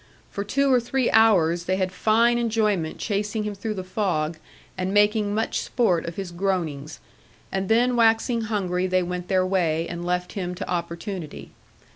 For two or three hours they had fine enjoyment chasing him through the fog, and making much sport of his groanings; and then waxing hungry, they went their way, and left him to opportunity.